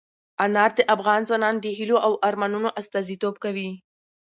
انار د افغان ځوانانو د هیلو او ارمانونو استازیتوب کوي.